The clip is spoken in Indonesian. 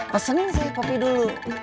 pesenin sih kopi dulu